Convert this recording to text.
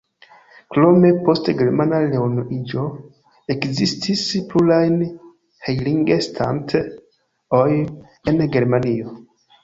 Krome, post germana reunuiĝo, ekzistis pluraj Heiligenstadt-oj en Germanio.